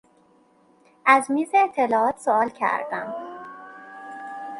از میز اطلاعات سئوال کردم.